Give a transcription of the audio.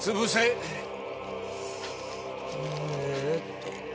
えーっと。